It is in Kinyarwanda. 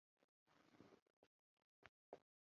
hakurikijwe amabwiriza ashyirwaho n iteka ngenga